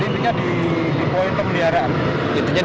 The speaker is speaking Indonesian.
intinya di pemeliharaannya